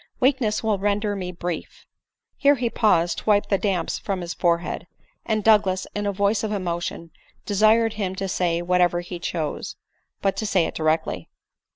Weak ness will render me brief." Here he paused to wipe the damps from*his forehead ; and Douglas, in a voice of emotion, desired him to say whatever be chose, but to say it directly.